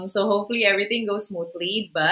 semuanya berjalan dengan lancar